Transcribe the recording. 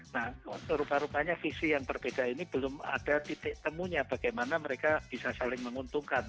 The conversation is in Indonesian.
nah serupa rupanya visi yang berbeda ini belum ada titik temunya bagaimana mereka bisa saling menguntungkan